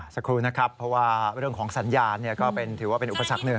สักครู่นะครับเพราะว่าเรื่องของสัญญาณก็ถือว่าเป็นอุปสรรคหนึ่ง